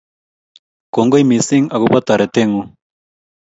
Kongoi missing' akopo taretet ng'ung.